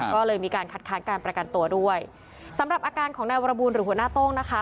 ก็เลยมีการคัดค้างการประกันตัวด้วยสำหรับอาการของนายวรบูลหรือหัวหน้าโต้งนะคะ